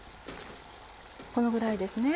このぐらいですね。